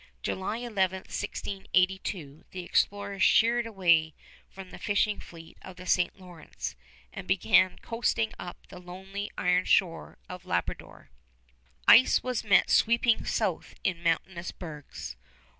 July 11, 1682, the explorers sheered away from the fishing fleet of the St. Lawrence and began coasting up the lonely iron shore of Labrador. Ice was met sweeping south in mountainous bergs.